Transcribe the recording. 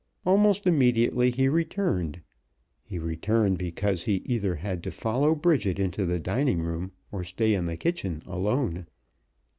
Almost immediately he returned. He returned because he either had to follow Bridget into the dining room or stay in the kitchen alone.